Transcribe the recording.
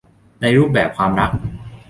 ในรูปแบบความรัก